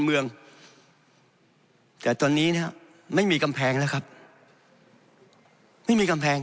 เมืองแต่ตอนนี้เนี่ยไม่มีกำแพงแล้วครับไม่มีกำแพง